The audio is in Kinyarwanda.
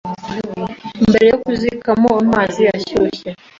mbere yo kuzisukamo amazi ashyushye